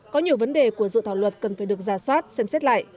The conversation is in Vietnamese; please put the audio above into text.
có nhiều vấn đề của dự thảo luật cần phải được ra soát xem xét lại